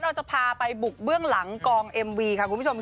เราจะพาไปบุกเบื้องหลังกองเอ็มวีค่ะคุณผู้ชม